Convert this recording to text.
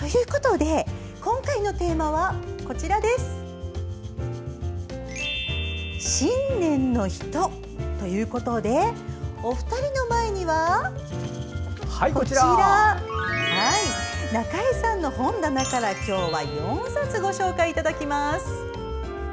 今回のテーマは「信念の人」ということでお二人の前には中江さんの本棚から今日は４冊ご紹介いただきます。